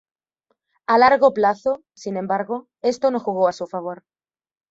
A largo plazo, sin embargo, esto no jugó a su favor.